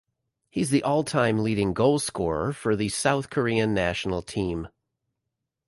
He is the all-time leading goal scorer for the South Korean national team.